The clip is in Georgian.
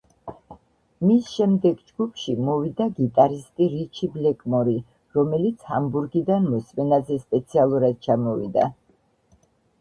მის შემდეგ ჯგუფში მოვიდა გიტარისტი რიჩი ბლეკმორი, რომელიც ჰამბურგიდან მოსმენაზე სპეციალურად ჩამოვიდა.